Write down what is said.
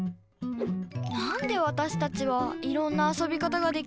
なんでわたしたちはいろんなあそび方ができるんだろう？